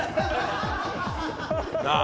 なあ。